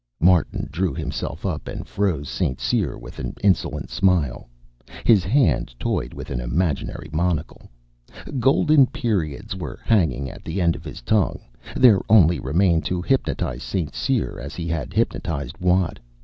Martin drew himself up and froze St. Cyr with an insolent smile. His hand toyed with an imaginary monocle. Golden periods were hanging at the end of his tongue. There only remained to hypnotize St. Cyr as he had hypnotized Watt.